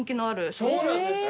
そうなんですか。